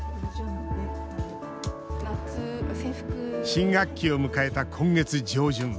新学期を迎えた今月上旬。